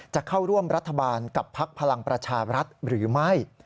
จะเข้าร่วมรัฐบาลกับพักพลังประชารัฐหรือไม่